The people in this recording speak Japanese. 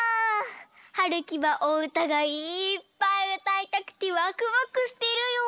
はるきはおうたがいっぱいうたいたくてワクワクしてるよ。